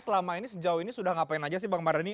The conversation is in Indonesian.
selama ini sejauh ini sudah ngapain aja sih bang mardhani